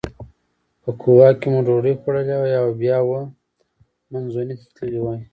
په کووا کې مو ډوډۍ خوړلې وای او بیا ویامنزوني ته تللي وای.